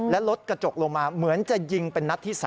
และลดกระจกลงมาเหมือนจะยิงเป็นนัดที่๓